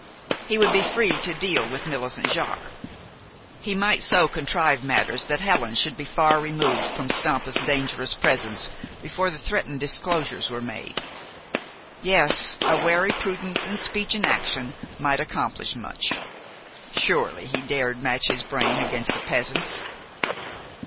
He would be free to deal with Millicent Jaques. He might so contrive matters that Helen should be far removed from Stampa's dangerous presence before the threatened disclosure was made. Yes, a wary prudence in speech and action might accomplish much. Surely he dared match his brain against a peasant's.